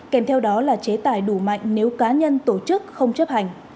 kèm theo đó là chế tài đủ mạnh nếu cá nhân tổ chức không chấp hành